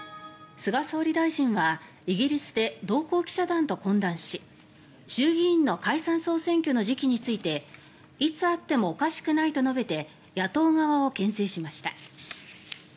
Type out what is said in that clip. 菅総理大臣はイギリスで同行記者団と懇談し衆議院の解散・総選挙の時期についていつあってもおかしくないと述べて野党側をけん制しました。